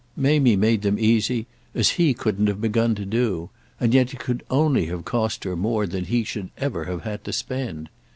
Mamie made them easy as he couldn't have begun to do, and yet it could only have cost her more than he should ever have had to spend.